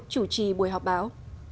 chủ trì buổi họp báo